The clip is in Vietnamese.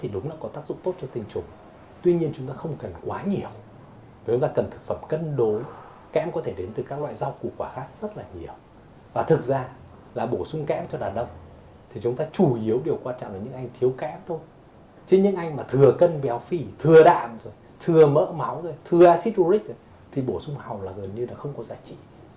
điều quan trọng là những anh thiếu kém thôi chứ những anh mà thừa cân béo phỉ thừa đạm thừa mỡ máu thừa acid uric thì bổ sung hầu là gần như không có giá trị